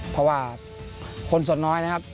เพราะว่าคนส่วนน้อยนะครับ